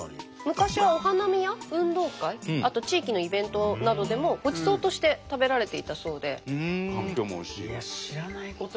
昔はお花見や運動会あと地域のイベントなどでもごちそうとして食べられていたそうで。